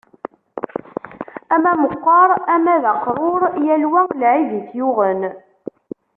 Ama meqqer ama d aqrur, yal wa lɛib i t-yuɣen.